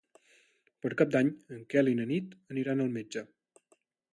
Per Cap d'Any en Quel i na Nit aniran al metge.